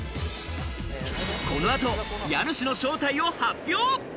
この後、家主の正体を発表。